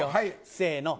せーの。